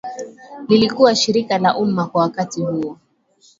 lilikuwa shirika la umma kwa wakati huo